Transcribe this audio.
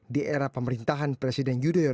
di era pemerintahan presiden yudhoyono